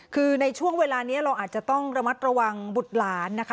คือในช่วงเวลานี้เราอาจจะต้องระมัดระวังบุตรหลานนะคะ